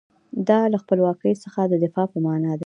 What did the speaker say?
دا له خپلواکۍ څخه د دفاع په معنی دی.